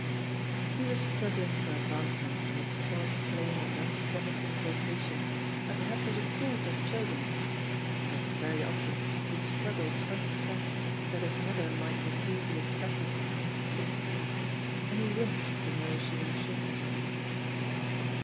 He was struggling for advancement on a squalid plane of an unpromising vocation, and perhaps was a fool to have chosen it; but very often he had struggled unfed that his mother might receive the expected pound intact, and he >dnced to know she was ashamed of him.